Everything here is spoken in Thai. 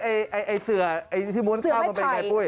ไอ้เสือที่ม้วนข้าวมันเป็นยังไงพุยเสือไม้ไผ่